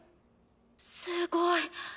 すごい。